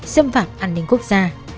xâm phạm an ninh quốc gia